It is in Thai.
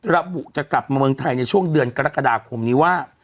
ระบุจะกลับมาเมืองไทยในช่วงเดือนกรกฎาคมนี้ว่า